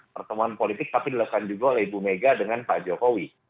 pertemuan politik tapi dilakukan juga oleh ibu mega dengan pak jokowi